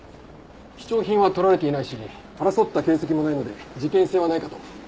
貴重品はとられていないし争った形跡もないので事件性はないかと。